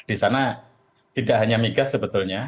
di sana tidak hanya migas sebetulnya